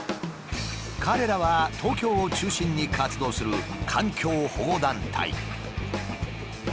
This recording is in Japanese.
彼らは東京を中心に活動する環境保護団体。